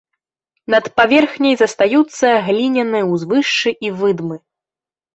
Над паверхняй застаюцца гліняныя ўзвышшы і выдмы.